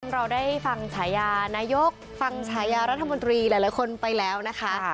เราได้ฟังฉายานายกฟังฉายารัฐมนตรีหลายคนไปแล้วนะคะ